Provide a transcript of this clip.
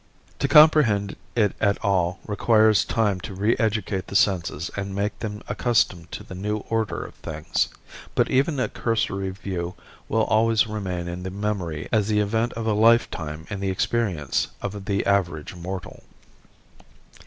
To comprehend it at all requires time to re educate the senses and make them accustomed to the new order of things. But even a cursory view will always remain in the memory as the event of a lifetime in the experience of the average mortal.